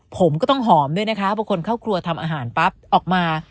ผมก็ต้องหอมด้วยนะคะพอคนเข้าครัวทำอาหารปั๊บออกมา